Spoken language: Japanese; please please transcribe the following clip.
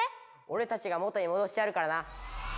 おれたちが元にもどしてやるからな。